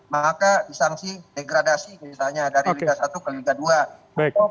maka disangsi degradasi misalnya dari liga satu ke liga dua